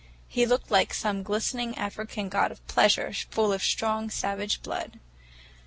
He looked like some glistening African god of pleasure, full of strong, savage blood.